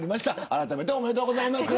あらためておめでとうございます。